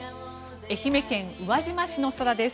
愛媛県宇和島市の空です。